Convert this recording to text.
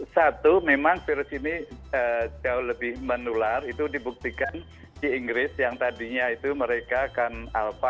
satu memang virus ini jauh lebih menular itu dibuktikan di inggris yang tadinya itu mereka akan alpha